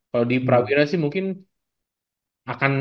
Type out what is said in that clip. kalo di perawiran sih mungkin akan